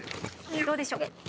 どうでしょう？